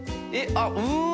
あっうわ！